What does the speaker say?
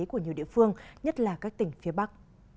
của nhiều địa phương nhất là các tỉnh phía bắc